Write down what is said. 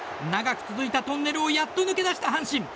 長く続いたトンネルをやっと抜け出した阪神。